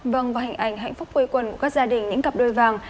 vâng và hình ảnh hạnh phúc quây quần của các gia đình những cặp đôi vàng